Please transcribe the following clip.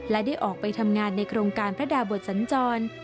และได้ออกไปทำงานในโครงการพระดาบทสัญจร